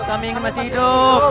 kami ingin masih hidup